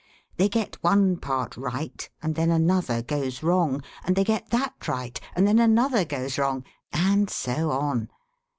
They get one part right, and then another goes wrong; and they get that right, and then another goes wrong, and so on.